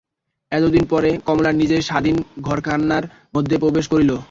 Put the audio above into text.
এতদিন পরে কমলা নিজের স্বাধীন ঘরকন্নার মধ্যে প্রবেশ করিল।